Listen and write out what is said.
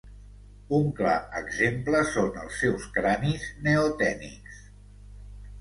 Un clar exemple són els seus cranis neotènics.